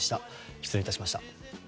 失礼いたしました。